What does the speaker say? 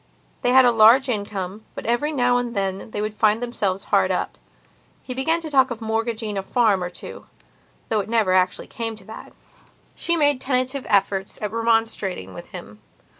They had a large income, but every now and then they would find themselves hard up. He began to talk of mortgaging a farm or two, though it never actually came to that. She made tentative efforts at remonstrating with him.